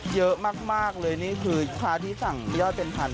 เยอะมากเลยนี่คือค้าที่สั่งยอดเป็นพัน